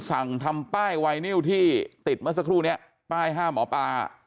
สั่งทำป้ายวัยนิ้วที่ติดมาสักครู่นี้ป้ายห้าหมอปา